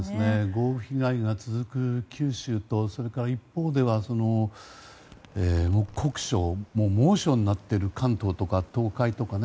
豪雨被害が続く九州とそれから一方では酷暑、猛暑になっている関東とか東海とかね。